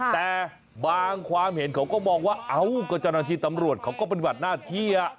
แต่บางความเห็นเขาก็มองว่าเอ้าก็เจ้าหน้าที่ตำรวจเขาก็ปฏิบัติหน้าที่